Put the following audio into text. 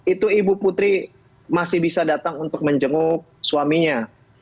itu ibu putri masih bisa datang untuk menjenguk suaminya